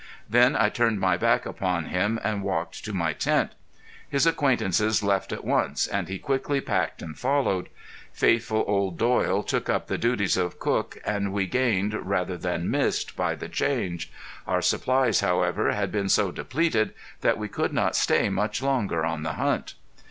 Then I turned my back upon him and walked to my tent. His acquaintances left at once, and he quickly packed and followed. Faithful old Doyle took up the duties of cook and we gained, rather than missed by the change. Our supplies, however, had been so depleted that we could not stay much longer on the hunt.